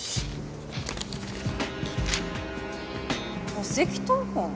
戸籍謄本？